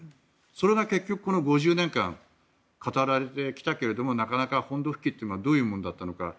それが結局この５０年間語られてきたけれどもなかなか本土復帰とはどういうものだったのか。